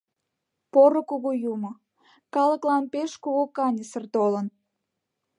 — Поро Кугу Юмо, калыклан пеш кугу каньысыр толын.